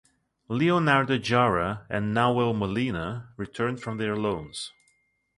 Leonardo Jara and Nahuel Molina returned from their loans.